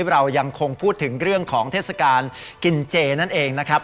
เรายังคงพูดถึงเรื่องของเทศกาลกินเจนั่นเองนะครับ